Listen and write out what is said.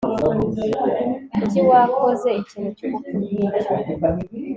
Kuki wakoze ikintu cyubupfu nkicyo